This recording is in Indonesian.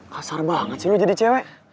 kasar banget sih lo jadi cewek